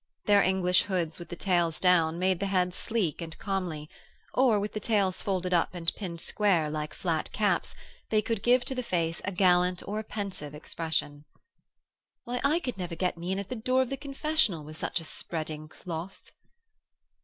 Their English hoods with the tails down made the head sleek and comely; or, with the tails folded up and pinned square like flat caps they could give to the face a gallant or a pensive expression. 'Why, I could never get me in at the door of the confessional with such a spreading cloth.'